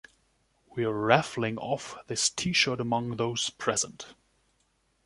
We’re raffling off this t-shirt among those present.